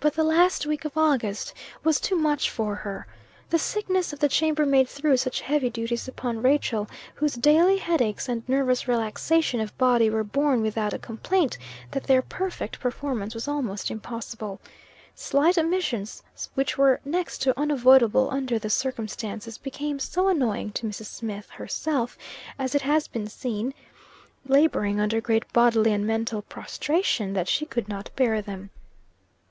But the last week of August was too much for her. The sickness of the chamber maid threw such heavy duties upon Rachel, whose daily headaches and nervous relaxation of body were borne without a complaint, that their perfect performance was almost impossible. Slight omissions, which were next to unavoidable, under the circumstances, became so annoying to Mrs. Smith, herself, as it has been seen, laboring under great bodily and mental prostration that she could not bear them.